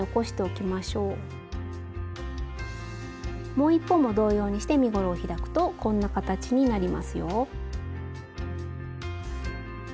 もう一方も同様にして身ごろを開くとこんな形になりますよ。